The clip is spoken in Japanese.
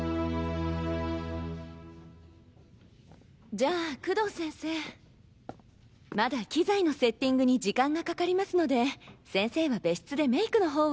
じゃあ工藤先生まだ機材のセッティングに時間がかかりますので先生は別室でメイクの方を。